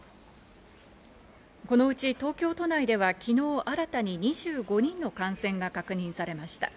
このうち東京都内では昨日新たに２５人の感染が確認されました。